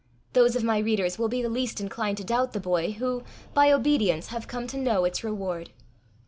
Those of my readers will be the least inclined to doubt the boy, who, by obedience, have come to know its reward.